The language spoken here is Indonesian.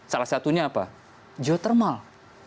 salah satunya apa geothermal